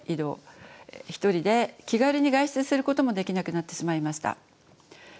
一人で気軽に外出することもできなくなってしまいました。